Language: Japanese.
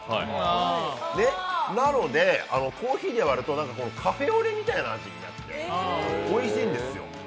なので、コーヒーで割るとカフェオレみたいな味になっておいしいんですよ。